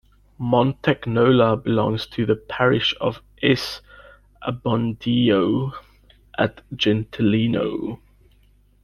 Montagnola belongs to the parish of S. Abbondio at Gentilino.